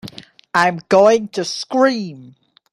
I'm going to scream!